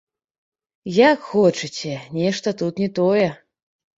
Як хочаце, нешта тут не тое.